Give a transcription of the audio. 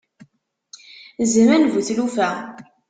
Zzman bu tlufa.